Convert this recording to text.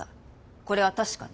これは確かね？